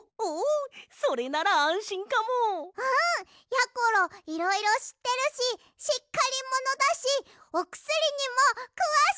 やころいろいろしってるししっかりものだしおくすりにもくわしいし！